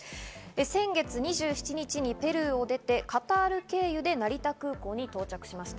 先月２７日にペルーを出てカタール経由で成田空港に到着しました。